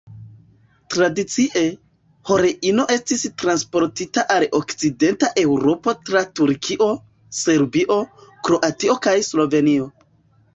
Tradicie, heroino estis transportita al Okcidenta Eŭropo tra Turkio, Serbio, Kroatio kaj Slovenio.